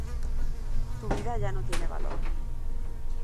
Tu vida ya no tiene valor".